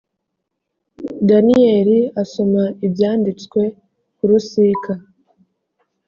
daniyeli asoma ibyanditswe ku rusika